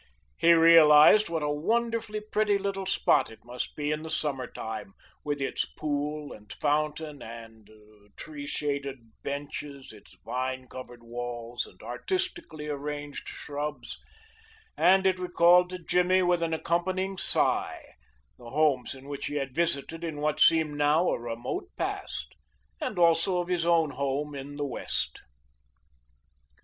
He realized what a wonderfully pretty little spot it must be in the summer time, with its pool and fountain and tree shaded benches, its vine covered walls and artistically arranged shrubs, and it recalled to Jimmy with an accompanying sigh the homes in which he had visited in what seemed now a remote past, and also of his own home in the West.